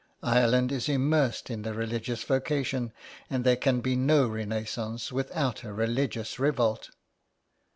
" Ireland is immersed in the religious vocation, and there can be no renaissance without a religious revolt.''